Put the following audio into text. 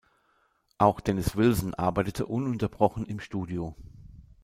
Auch Dennis Wilson arbeitete ununterbrochen im Studio.